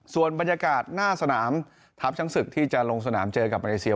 ส่วนบรรยากาศหน้าสนามทัพช้างศึกที่จะลงสนามเจอกับมาเลเซีย